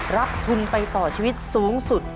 รับทุนไปต่อชีวิตสูงสุด